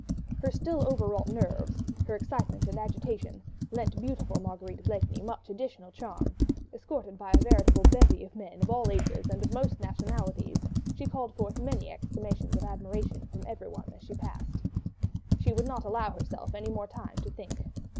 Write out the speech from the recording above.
Her still overwrought nerves, her excitement and agitation, lent beautiful Marguerite Blakeney much additional charm: escorted by a veritable bevy of men of all ages and of most nationalities, she called forth many exclamations of admiration from everyone as she passed. She would not allow herself any more time to think.